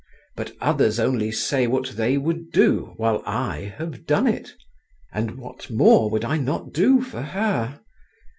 But others only say what they would do, while I have done it. And what more would I not do for her?"